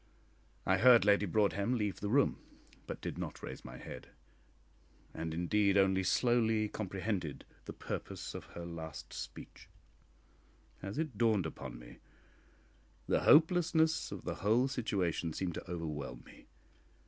I heard Lady Broadhem leave the room, but did not raise my head, and indeed only slowly comprehended the purport of her last speech. As it dawned upon me, the hopelessness of the whole situation seemed to overwhelm me.